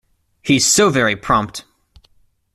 He's so very prompt!